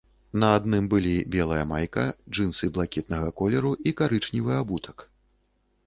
На адным былі белая майка, джынсы блакітнага колеру і карычневы абутак.